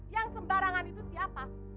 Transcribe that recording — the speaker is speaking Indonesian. yang sebarangan itu siapa